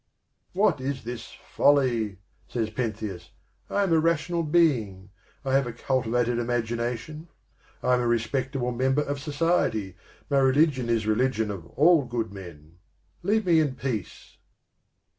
"What is this folly?" says Pentheus. " I am a rational being, I have a cultivated imagination, I am a respectable member of society, my religion is the religion of all good men. Leave me in peace."